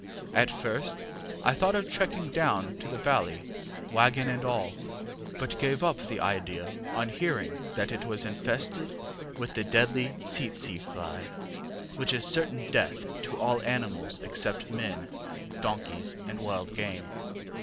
At first I thought of trekking down to the valley, waggon and all, but gave up the idea on hearing that it was infested with the deadly ŌĆśtsetseŌĆÖ fly, which is certain death to all animals, except men, donkeys, and wild game.